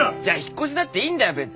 じゃあ引っ越しだっていいんだよ